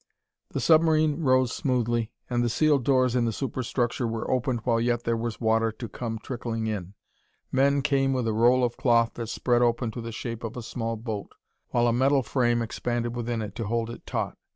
The submarine rose smoothly, and the sealed doors in the superstructure were opened while yet there was water to come trickling in. Men came with a roll of cloth that spread open to the shape of a small boat, while a metal frame expanded within it to hold it taut.